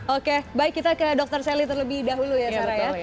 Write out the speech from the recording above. oke baik kita ke dr sally terlebih dahulu ya